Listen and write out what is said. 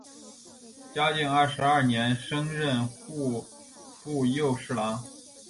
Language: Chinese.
嘉靖二十二年升任户部右侍郎。